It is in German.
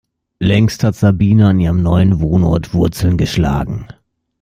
Längst hat Sabine an ihrem neuen Wohnort Wurzeln geschlagen.